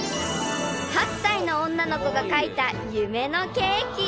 ［８歳の女の子が描いた夢のケーキ］